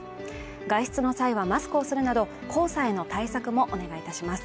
外出の際はマスクをするなど、黄砂への対策もお願いいたします